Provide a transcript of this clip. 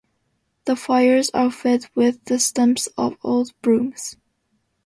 The fires are fed with the stumps of old brooms.